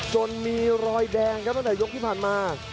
จนมีรอยแดงครับตั้งแต่ยกที่ผ่านมา